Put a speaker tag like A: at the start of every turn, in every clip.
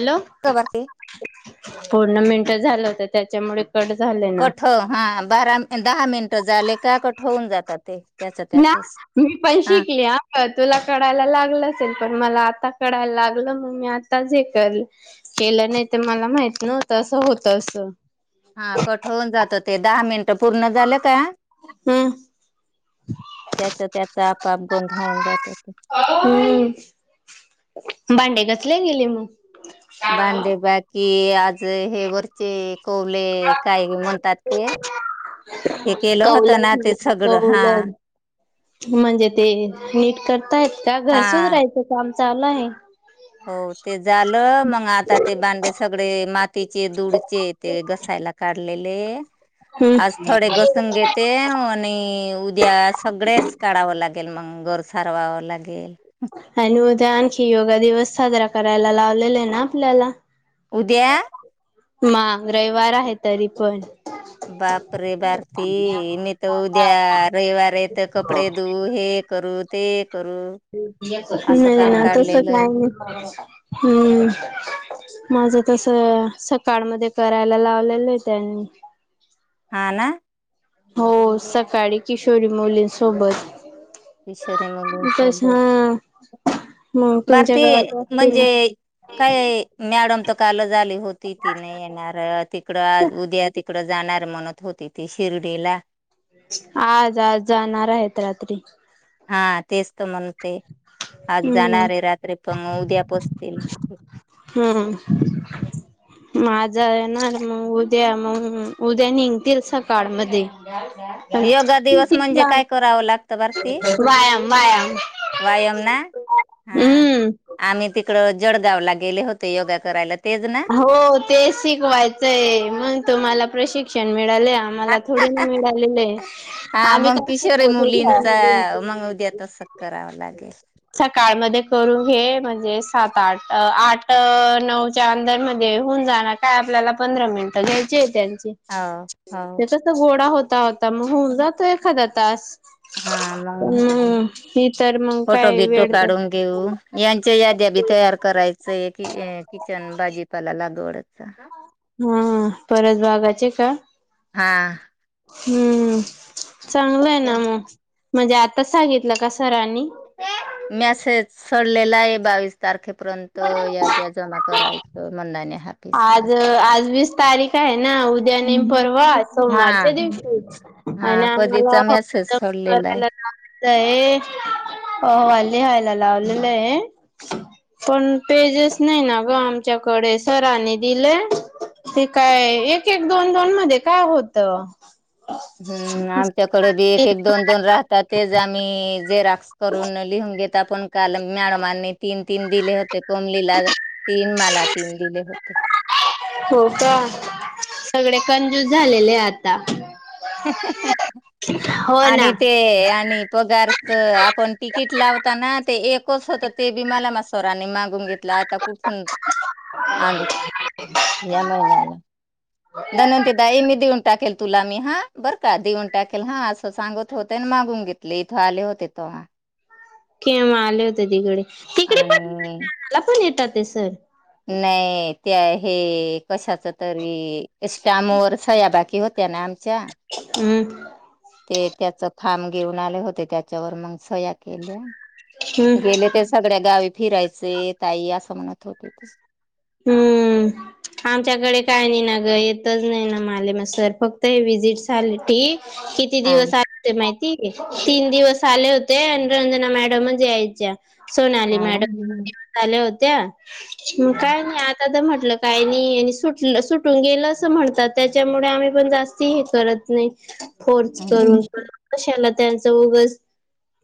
A: Hello
B: बरते
A: पूर्णर्मेंट झालं होत त्याच्यामुळे कट झाले ना
B: कठ हा बरा म दहा मिनटं झाले का का ठेऊन जातात ते त्याच
A: ना
B: त्याचच
A: मी पण
B: हा
A: शिकले आता तुला कढायला लागलच आहे पण मला आता कढयला लागलं म मी आता शिकल केलं नाही तर मला माहित नव्हत असं होत अस.
B: हा कठ होून जात ते दहा मिनिट बोलून पूर्ण झालं का
A: हम्म
B: त्याच त्याच आपोआप बंद होऊन जात
A: हम्म भांडे घासले गेले मग
B: भांडे बाकी कि आज हे वरचे कोवले काय म्हणतात ते हे केलं
A: कौल
B: होतं ना ते
A: म्हणतात
B: सगळं
A: कौल
B: हा
A: म्हणजे ते नीट करताय का घर
B: हा
A: सुधरायचं राहायचं काम चालू आहे
B: हो ते झालं. मग आता ते भांडे सगळे माती मातीची धूळचे ते घसायला काढलेले ते आज
A: हम्म
B: थोडे घसून घेते आणि उद्या सगळेच काढावं लागेल मग घरं सारवावं लागेल
A: आणि मग ते आणखी योगा दिवस साजरा करायला लावलेले ना आपल्याला
B: उद्या
A: म रविवार आहे तरी पण
B: बाप रे भारती मी तर उद्या रविवार येत कपडे धऊ हे करू ते करू असं
A: नाय
B: काम
A: ना तस
B: काढलेलं आहे
A: हं माझं तस सकाळ मध्ये करायला लावलेलं आहे त्यांनी
B: हा ना
A: हो सकाळी किशोरी मुलींसोबत
B: किशोरी
A: तस
B: मुलींसाठी
A: हा मग तुमच्या
B: भारती
A: गावाच्या असतील ना
B: म्हणजे काय मॅडम त कालच आली होती ती नाही येणार तिकड आज उद्या तिकड जाणार म्हणत होती ती शिर्डीला
A: आज आज जाणार आहेत रात्री
B: हा तेच त म्हण ते आज
A: हम्म
B: जाणारे रात्री पण उद्या पोचतील ना
A: हं म आज जाणार मग उद्या मग उद्या निघतील सकाळ मधे
B: योगा दिवस म्हणजे काय करावं लागत भारती
A: व्यायाम व्यायाम
B: वायाम ना हा
A: हम्म.
B: आम्ही तिकड जडगावं ला गेले होते योगा करायला. तेच ना
A: हो तेच शिकवायचंय म्हण तो मला प्रशिक्ष क्षण मिळाले आम्हाला थोडी ना मिळाले नई
B: हा मग किशोरी मुलींचा मग उद्या तसं करावं लागेल
A: सकाळ मधे करून घे म्हणजे सात आ आठ नऊ च्या अंदरमध्ये होऊन जाणार काय आपल्याला पंधरा मिनिटं घ्यायचे त्यानं
B: हो हो
A: त्यास गोडा होता होता मग हुन जातो एखाद्या तास
B: हा मग
A: हम्म ही तर मग
B: फोटो
A: काय
B: बिटो
A: वेळ तर
B: काढून घेऊ यांच्या याद्या बी तयार करायचंय की किचन बाजीपाला लाग दोडका
A: हा परत बाघायचे का
B: हा
A: हं चांगलं आहे ना मग म्हणजे आताच सांगितलं का सरांनी
B: मॅसेज सोडलेला आहे बावीस तारखे पर्यंत याद्या जमा करायच त मंदान्या
A: आज आज वीस तारीख आहे ना उद्या नेम परवा
B: हा
A: सोमवारच्या दिवशी आणि
B: हा
A: आम्हाला
B: कधीचा
A: हवा
B: मेसेज सोडलेला आहे.
A: करायला ला हे अहवाल लिहायला लावलेलं आहे पण पेजेस नाही ना ग आमच्याकडे सरानी दिलं ते काय एक एक दोन दोन मध्ये काय होत
B: हम्म आमच्याकडे बी एक एक दोन दोन राहतात तेच आम्ही झेरॉक्स करूनली घेता पण काल मॅडमनी तीन तीन दिले होते कोमलीला तीन मा ला तीन दिले होते
A: हो का सगळे कंजूस झालेले ए आता हो
B: आणि
A: ना
B: ते आणि पगारच आपण तिकीट लावताना ते एकच होत ते बी मला मा सराांनी मागून घेतलं आता कुठून आणू या महिन्याला दन ते दई मी देऊन टाकेल तुला मी हा बरं का देऊन टाकेल हा असं सांगत होते आणि मागून घेतले इथं आले होते तो हां
A: केम आले होते तिकडे तिकडे
B: आणि
A: पण मला पण येतात ते सर
B: नाही ते हे कशाच तरी स्टयाम वर सयाबाकी होत्या ना आमच्या
A: उम्म्म
B: ते त्याच खाब घेऊन आले होते त्याच्यावर मग सया केल्या
A: हम्म
B: गेले ते सगळ्या गावी फिरायचे ताई असं म्हणत होते ते
A: हम्म आमच्याकडे काय नाही ना गं येतच नाही ना माले म सर फक्त हे वि्हिजिट झाले ठी किती
B: हा
A: दिवस आते माहिती आहे काय तीन दिवस आले होते आणि रंजना मॅडमच यायच्या सोनाली
B: हा ना
A: मॅडम आल्या होत्या त्या ह् काय नाही आता तर म्हटलं काय नाही आणि सुट सुटून गेलं असं म्हणतात त्याच्यामुळे आम्ही पण जास्ती हे करत नाही फोर्स
B: हा
A: करून कशाला पण त्यांचं उगस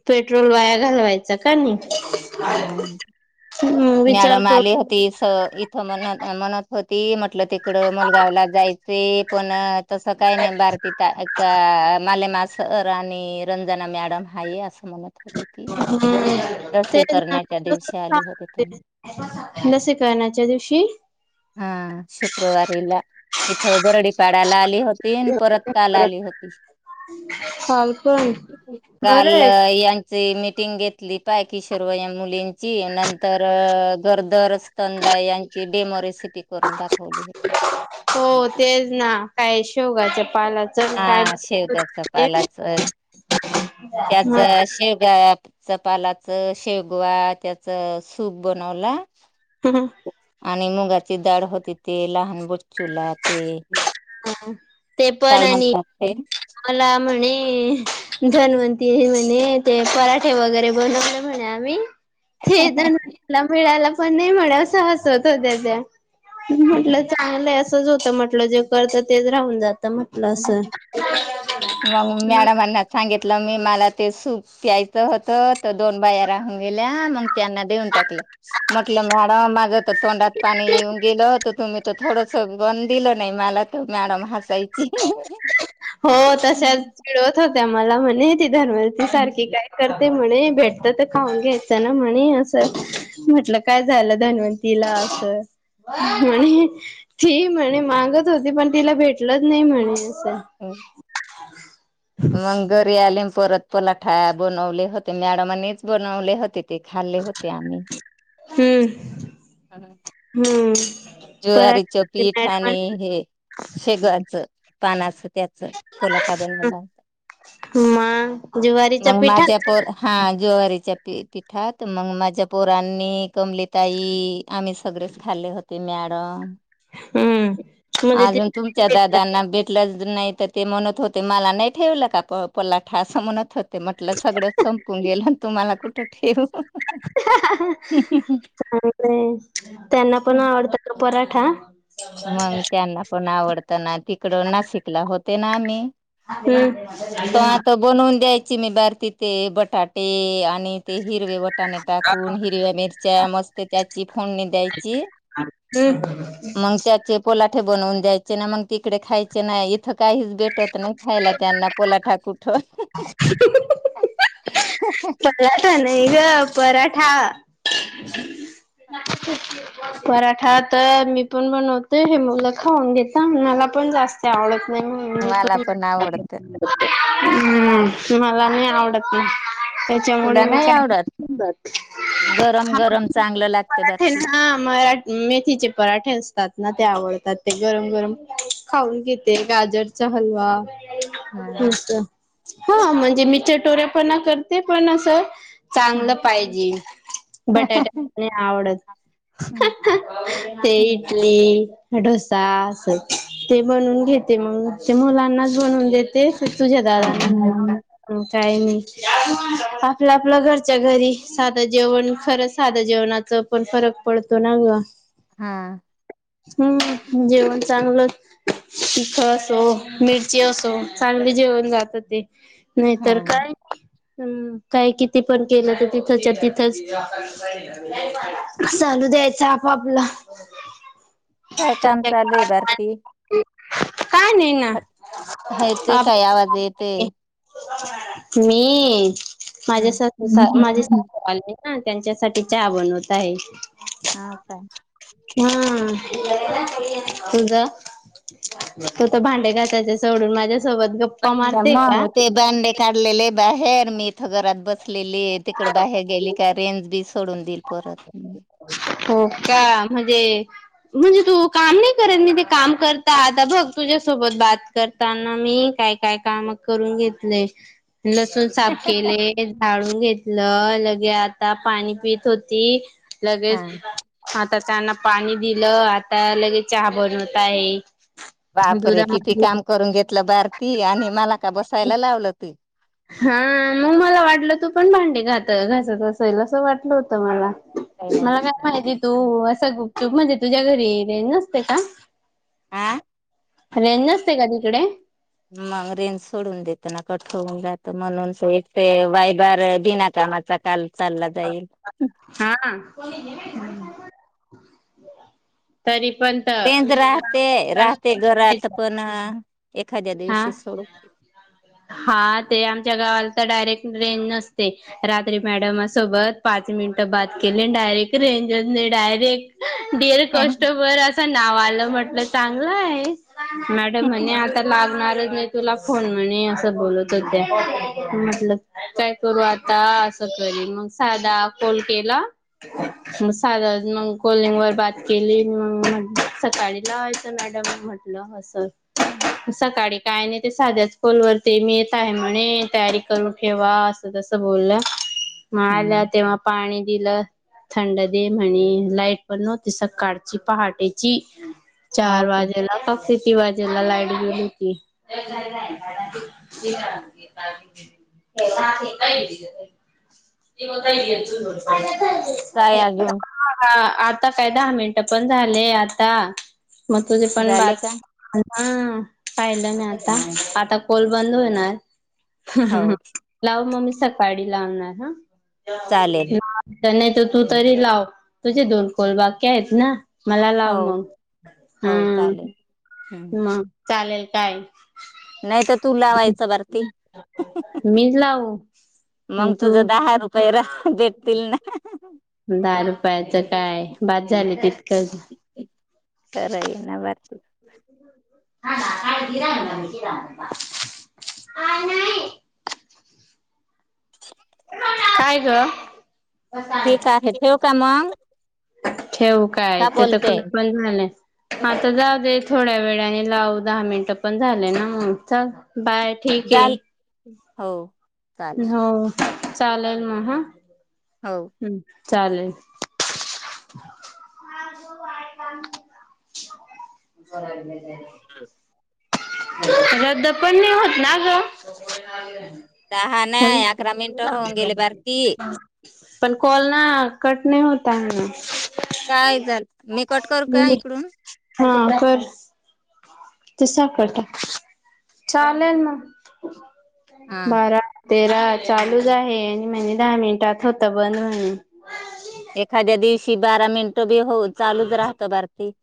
A: पेट्रोल वाया घालवायच का मी
B: हा
A: विचार
B: मॅडम
A: करू
B: आल्या होत्या तर इ थमनाथं अमनाथं होते ते मन म्हटलं तिकड मुलगावला जायचे पण तसं काही नाही बारती त आहे माला मास सर आणि रंजना मॅडम हाय अस तसें
A: [inaudible] लसीकरणाच्या दिवशी
B: हा शुक्रवारीला इथं बरडीकाडालयला आली हो पेन परत काल आली होती
A: कॉल करून
B: काल
A: बरंय
B: यांची मीटिंग घेतली पाय कि सर्व या मुलींची नंतर गरदोर यांची डेमो रेसिपी करून दाखवली होती
A: शेवग्याचं पालाच काय
B: हा शेवग्याचा पालाच त्याच
A: हा
B: शेवगा-‍- च्या पालाच शेगवा त्याचं सूप बनवला
A: हम
B: आणि मुगाची डाळ होती ते लहान बो
A: ते
B: काय
A: पण आणि
B: म्हणतात ते
A: मला म्हणे जन्वंती म्हणे ते पराठे वगैरे बनवले म्हणे आम्ही तेदंन मिळायला पण पण नाही म्हणांवस असं हसत होत्या त्या म्हटलं चांगलं होत म्हटलं, जे करत तेच राहून जात
B: मग मॅडमांना सांगितलं मी मला ते सूप प्यायचं होत तर दोन बाया राहून गेल्या, मग त्यांना देऊन टाकलं. म्हटलं मॅडम माझ्या तर तोंडाला पाणी येऊन गेलं होत, तुम्ही तर थोडस पण दिलं नाही मला तर मॅडम हसल्या
A: हो तशाच चिडवत होत्या मला म्हणे धव सारखे काय करती ते म्हणे, भेटत तर खाऊन घ्यायच ना म्हणे अस म्हटलं, काय झालं धनवंतीला? अस म्हणे ती म्हणे मागत होती पण तिला भेटले म्हलं नाही म्हणे अस
B: मंग घरी आली परत पराठे बनवले होते मॅडमांनीच बनवले होते ते खाल्ले होते आम्ही
A: हम्म हम्म
B: ज्वारीचं
A: पराठे
B: पीठ आणि
A: मॅडम
B: हे शेवग्याच्या पानाचं त्याच पलाटा बनलेला होता
A: मग ज्वारीच्या
B: मग
A: पिठा
B: माझ्या पोर हा जेवला प पिठात मग माझ्या पोरांनी कमलताई आम्ही सगळेच खाल्ले होते ते मॅडम
A: हम्म म्हणजे ति
B: अजून तुमच्या दादांना भेटलं नाही तर ते म्हणत होते मला नाही ठेवलं का पराठा? असं म्हणत होत ते म्हटलं सगळं संपून गेलं. तुम्हाला कुठं ठेऊ
A: हा
B: मग त्यांना पण आवडत ना तिकड नाशिकला होत ते ना मी
A: [unintelligible]
B: ची मी भारती ते बटाटे आणि ते हिरवे वाटाणे टाकून, हिरव्या मिरच्या मस्त त्याची फोडणी द्यायची
A: हम्म
B: मग त्याचे पोलाट बनवून द्यायचे ना, मग तिकडे खायचे ना. इथं काय हेच भेट नाही खायला त्यांना पोलाठा खु ठ
A: पराठा नाही ग पराठा पराठा तर मी पण बनवते, हे मुलं खाऊन घेतात मला पण जास्ती आवड
B: मला पण आवडतं.
A: हम्म. मला नाही आवडत ते.
B: तुला नाही आवडत गरम
A: हा
B: गरम चांगलं लाग
A: पराठे हा मला मेथीचे पराठे असतात ना ते आवड आता ते गरम, गरम खाऊन घेते. गाजरचा हलवा
B: हा
A: हं तर हा म्हजे मी चिटोरेपणा करते पण असं चांगलं पाहिजे बटाट्या नाय आवडत. ते इडली डोसा अस ते बनून घेते, मग ग ते मुलांनाच बनवुन देते. तुझ्या दादानी हा. काही नाही. आपल्या, आपल्या घरच्या घरी साधं जेवण खरं साध जेवणाच पण फरक पडतो ना ग.
B: हा.
A: हम्म जेवण चांगलं तिख असो, मिरची असो चांगले जेवण जात ते. नाही तर
B: हा
A: काय? हम्म काय किती पण केलं, तर तिथच्या तिथचं चालू द्यायचं आपापल.
B: काय काम चालू आहे. भारती
A: काय नाही ना
B: हा हा ते काय आवाज येतय.
A: मीइ. माझ्या सासू सास माझे सासू आले! हम् त्यांच्यासाठी. चहा बनवत आहे.
B: हा काय.
A: हम् तुझ तू तर भांडे घासायच्य सोडून माझ्या
B: मग ते बांडे काढले बाहेर, मी इथं घरात बस लेलीय तिकड बाहेर गेली का रेंज बीज
A: हो का! म्हजे. म्हजे तू काम नाही करत, मी ते काम करता आता बघ तुझ्यासोबत बात करताना मी काय काय काम करून घेतलंय! लसूण साफ केलेय, झाडू घेतलं, लगे आता पाणी पीत, होती.
B: हा.
A: लगेच आ! आता त्यांना पाणी दिलं, आता अ लगेच चहा बनवत आहे.
B: बापरे! किती
A: दुधामध्ये
B: काम करून घेतलं भारती आणि मला का बसायला लावलं की,
A: हा आ मला वाटलं तू पण भांडी घात घासत असेल, असं वाटलं होतं मला. मला काय माहिती तू अ असं गुपचूब मधे तुझ्या घरी येइन. [inaudible]
B: आ
A: तिकडे?
B: मग रेंज सोडून देत ना! कट होऊन जातं. म्हणून एक ते [unintelligible] बिनाकामाचा काल, चालला जाईल.
A: हा.
B: हम्म.
A: तरी. पण तर
B: रेंज राहते राहते घरात पण हं.
A: हा हा ते आमच्या गावाला तर डायरेक्ट रेंज नसते रात्री मॅडम सोबत पाच मिनिट बात केले, डायरेक्ट रेंज नाही डायरे [inaudible] कस्टमरचा. गावाला म्हटलं चांगलं आहे. मॅडम म्हणे. लागणारचं नाही तुला फोन म्हणे असं बोलत होते. म्हटलं काय करू आता असं करील मग साधा कॉल केला मग साधा मग कॉलिंग वर बात केली मगं सकाळी लावायचं मॅडमला म्हटलं असं. सकाळी कायं नाही ते साध्याच काॅल वरती मी येत आहे, म्हणे तयारी करून ठेवा असं तसं बोलला.
B: हम्म
A: मला तेव्हा पाणी दिलं थंड दे म्हणे लाईट पण नव्हती सकाळची पहाटेची. चार
B: हो का
A: वाजेला. [unintelligible] [unintelligible] लाईट. [inaudible]
B: कायं आगं घेऊन.
A: हा आता काय दहा मिनट पण झाले आता. मगं तुझे पण
B: झाले का
A: पाच हा. पाहिलं नाही आता, आता कॉल बंद होणार.
B: हो
A: [inaudible] सकाळी लावणार हा.
B: चालेल
A: नाही तर तू तरी लावं. तुझे दोन कॉल बाकी आहेत ना. मला लाव
B: हो
A: मगं
B: हो
A: हम्म.
B: चालेल हम्म
A: मगं. चालेलं कायं.
B: नाही तर तू लावायचं भरती
A: मीच लावू आणि
B: मगं तुझ
A: तू
B: दहा रुपये. [inaudible] भेटतील नां.
A: दहा रुपयाचं काय, बाद झाली तितकच
B: खरं आहे ना भारती
A: हा ना काय गिराना शीरामा, काही नाही. काय ग
B: ठीक आहे ठेवू का मग?
A: [inaudible] ठेऊू काय
B: का
A: ते तर
B: बोलते
A: कुलुपलाईन म्हणे आता जाऊ दे, थोड्या वेळाने लाव दहा मिनटं पण झाले ना मग, चल बाय, ठीक आहे.
B: जाल हो चालेल
A: हो चालेल मग हा
B: हो
A: हम्म चालेल [inaudible] रद्द पण नाही होत ना ग.
B: दहा नाही, अकरा मिनटं होऊन गेली बघ की,
A: पण कॉल ना, कट नाही होत आहे ना.
B: काय झाल, मी कट करू का इकडून?
A: हा कर. तसा करतो. चालेल मग.
B: हा
A: बारा तेरा चालूच आहे. आणि म्हणे दहा मिनिटात होत बंद म्हणून,
B: एखाद्या दिव शि बारा मिनटं बी होऊन. चालूच राहत बरं ती.